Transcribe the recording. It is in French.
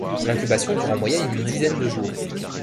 L'incubation dure en moyenne une dizaine de jours.